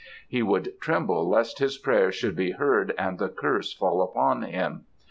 He would tremble lest his prayer should be heard and the curse fall upon him.